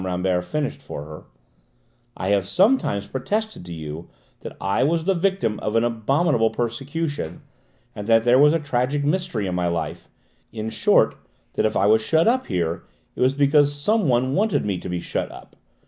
Rambert finished for her, "I have sometimes protested to you that I was the victim of an abominable persecution, and that there was a tragic mystery in my life: in short, that if I was shut up here, it was because someone wanted me to be shut up.